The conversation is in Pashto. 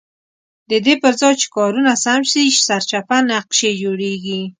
ددې پرځای چې کارونه سم شي سرچپه نقشې جوړېږي.